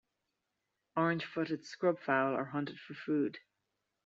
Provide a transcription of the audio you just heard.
Orange-footed scrubfowl are hunted for food.